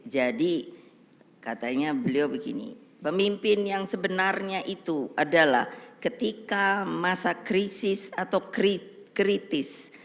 jadi katanya beliau begini pemimpin yang sebenarnya itu adalah ketika masa krisis atau kritis